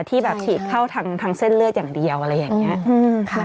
ที่แบบฉีกเข้าทางเส้นเลือดอย่างเดียวอะไรอย่างนี้